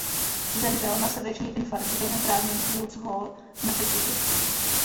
Zemřel na srdeční infarkt během prázdnin v Woods Hole v Massachusetts.